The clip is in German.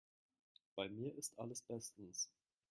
Bei mir ist alles bestens.